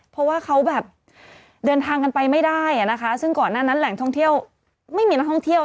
เพราะว่าเขาแบบเดินทางกันไปไม่ได้อ่ะนะคะซึ่งก่อนหน้านั้นแหล่งท่องเที่ยวไม่มีนักท่องเที่ยว